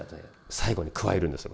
最後に加えるんですよ